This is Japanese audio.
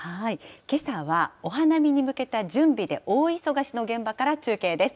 けさは、お花見に向けた準備で大忙しの現場から中継です。